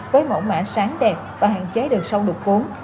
với mẫu mã sáng đẹp và hạn chế được sâu được cuốn